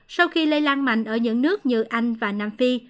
sau khi lây lan mạnh ở những nước như anh và nam phi